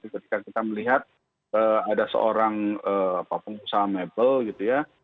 jadi ketika kita melihat ada seorang apa pun usaha mebel gitu ya